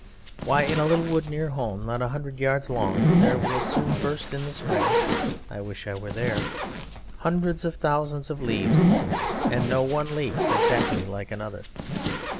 Why, in a little wood near home, not a hundred yards long, there will soon burst, in the spring (I wish I were there!), hundreds of thousands of leaves, and no one leaf exactly like another.